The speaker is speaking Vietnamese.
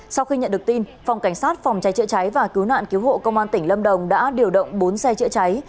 sau khi nhận được tin phòng cảnh sát phòng cháy chữa cháy và cứu nạn cứu hộ công an tỉnh lâm đồng đã điều động bốn xe chữa cháy